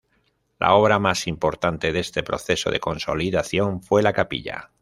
La obra más importante de este proceso de consolidación fue la capilla.